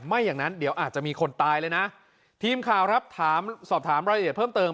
ไม่อย่างนั้นเดี๋ยวอาจจะมีคนตายเลยนะทีมข่าวครับถามสอบถามรายละเอียดเพิ่มเติม